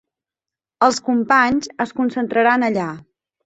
Els companys es concentraran allà